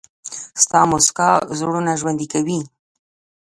• ستا موسکا زړونه ژوندي کوي.